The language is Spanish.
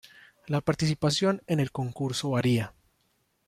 La participación en el concurso varía.